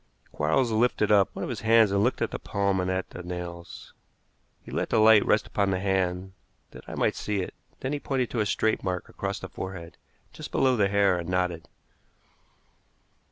Quarles lifted up one of his hands and looked at the palm and at the nails. He let the light rest upon the hand that I might see it. Then he pointed to a straight mark across the forehead, just below the hair, and nodded.